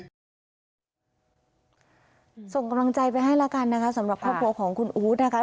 ส่งกำลังใจไปให้แล้วกันนะคะสำหรับครอบครัวของคุณอู๊ดนะคะ